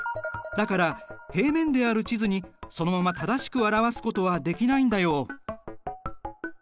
だから平面である地図にそのまま正しく表すことはできないんだよ。